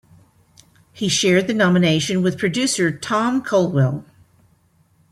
He shared the nomination with producer Thom Colwell.